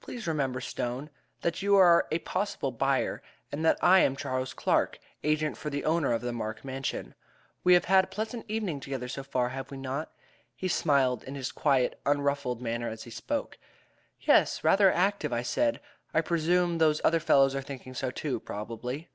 "Please remember, Stone, that you are a possible buyer, and that I am Charles Clark, agent for the owner of the Mark Mansion. We have had a pleasant evening together so far, have we not?" He smiled in his quiet, unruffled manner as he spoke. "Yes rather active," I said. "I presume those other fellows are thinking so too, probably."